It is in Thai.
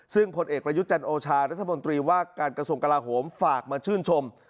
ซึ่งผลเอกประยุทธ์จันโอชารัฐมนตรีว่าการกระทรวงกลาโหมฝากมาชื่นชม